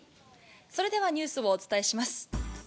それではニュースをお伝えします。